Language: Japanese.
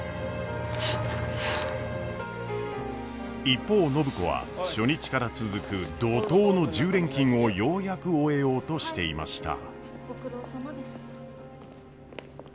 一方暢子は初日から続く怒とうの１０連勤をようやく終えようとしていました。